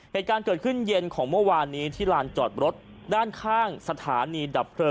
เหตุการณ์เกิดขึ้นเย็นของเมื่อวานนี้ที่ลานจอดรถด้านข้างสถานีดับเพลิง